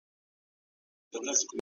دا مسله باید په پښتو کي حل سي.